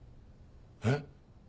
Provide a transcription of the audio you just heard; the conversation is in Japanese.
えっ？